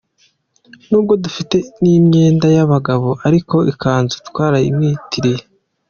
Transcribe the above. Nubwo dufite n’imyenda y’abagabo ariko ikanzu twarayimwitiriye.